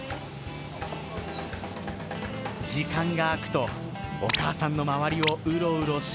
時間が空くと、お母さんの周りをうろうろし